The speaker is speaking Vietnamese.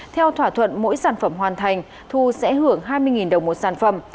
theo thỏa thuận mỗi sản phẩm hoàn thành thu sẽ hưởng hai mươi đồng một sản phẩm